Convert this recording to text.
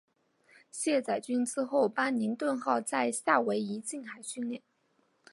卸载军资后班宁顿号在夏威夷近海训练。